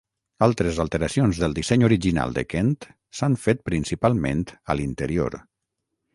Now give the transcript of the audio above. Altres alteracions del disseny original de Kent s'han fet principalment a l'interior.